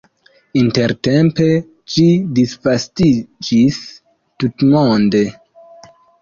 Intertempe ĝi disvastiĝis tutmonde.